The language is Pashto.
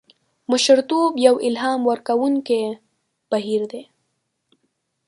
مشرتوب یو الهام ورکوونکی بهیر دی.